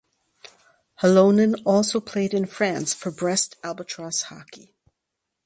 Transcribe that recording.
Halonen also played in France for Brest Albatros Hockey.